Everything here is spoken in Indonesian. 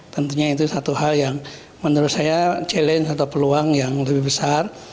tentunya itu satu hal yang menurut saya challenge atau peluang yang lebih besar